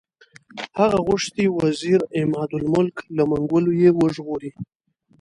هغه غوښتي وزیر عمادالملک له منګولو یې وژغوري.